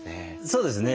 そうですね。